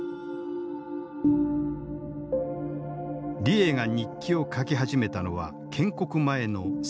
李鋭が日記を書き始めたのは建国前の１９４６年。